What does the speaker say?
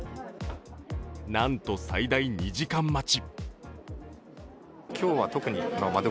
なんと最大２時間待ち。